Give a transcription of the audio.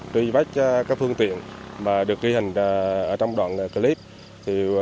truy bách các phương tiện được ghi hình trong đoạn clip